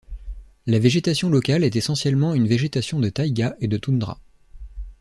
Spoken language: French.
La végétation locale est essentiellement une végétation de taïga et de toundra.